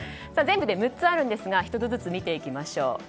全部で６つあるんですが１つずつ見ていきましょう。